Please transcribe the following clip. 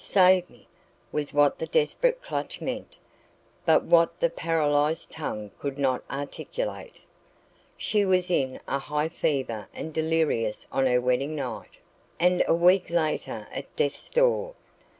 save me!" was what the desperate clutch meant, but what the paralysed tongue could not articulate. She was in a high fever and delirious on her wedding night, and a week later at death's door.